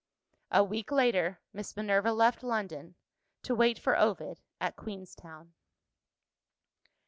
A week later, Miss Minerva left London, to wait for Ovid at Queenstown.